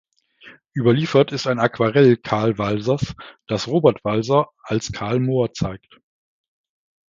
Überliefert ist ein Aquarell Karl Walsers, das Robert Walser als Karl Moor zeigt.